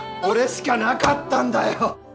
これしかなかったんだよ！